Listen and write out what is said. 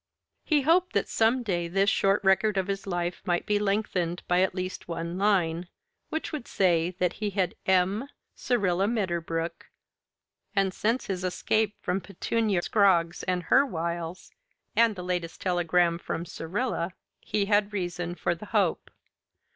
He hoped that some day this short record of his life might be lengthened by at least one line, which would say that he had "m. Syrilla Medderbrook," and since his escape from Petunia Scroggs and her wiles, and the latest telegram from Syrilla, he had reason for the hope.